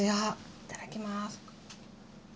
いただきます。